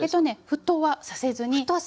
沸騰はさせずに。